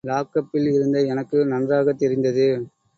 லாக்கப்பில் இருந்த எனக்கு நன்றாகத் தெரிந்தது.